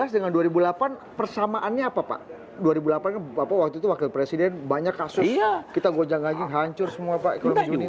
dua ribu delapan belas dengan dua ribu delapan persamaannya apa pak dua ribu delapan waktu itu wakil presiden banyak kasus kita gojang ganggang hancur semua pak